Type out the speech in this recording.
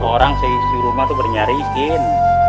orang seistirahat tuh bernyarisin